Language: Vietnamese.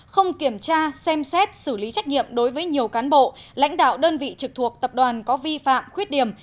không kiểm tra xem xét xử lý trách nhiệm đối với nhiều cán bộ lãnh đạo đơn vị trực thuộc tập đoàn có vi phạm khuyết điểm